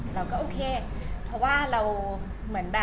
คือเด็กคนนั้นว่าอย่างไรค่ะตอนนั้น